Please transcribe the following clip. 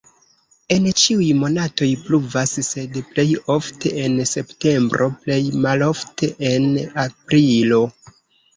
En ĉiuj monatoj pluvas, sed plej ofte en septembro, plej malofte en aprilo.